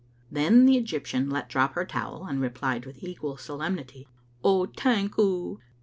Then the Egyptian let drop her towel, and replied with equal solemnity: " Oh, tank oo